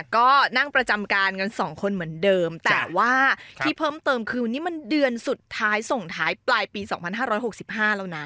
ก็นั่งประจำการกันสองคนเหมือนเดิมแต่ว่าที่เพิ่มเติมคือวันนี้มันเดือนสุดท้ายส่งท้ายปลายปี๒๕๖๕แล้วนะ